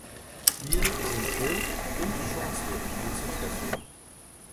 Hier sind Rot- und Schwarzwild anzutreffen.